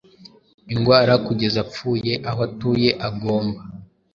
Indwara kugeza apfuyeaho atuye agomba